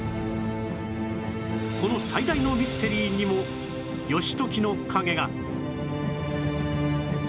この最大のミステリーにも義時の影が